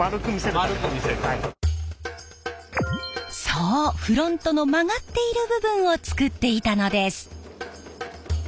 そうフロントの曲がっている部分を作っていたのです！